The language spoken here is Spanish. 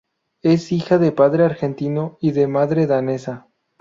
Es hija de padre argentino y de madre danesa.